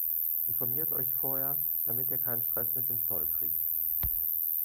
Informiert euch vorher, damit ihr keinen Stress mit dem Zoll kriegt!